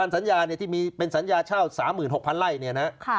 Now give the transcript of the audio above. ๑๔๐๐๐สัญญาที่มีเป็นสัญญาเช่า๓๖๐๐๐ไร่